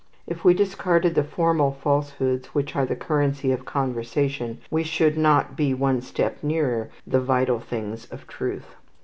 If we discarded the formal falsehoods which are the currency of conversation, we should not be one step nearer the vital things of truth.